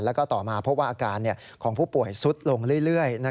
แล้วก็ต่อมาพบว่าอาการของผู้ป่วยซุดลงเรื่อย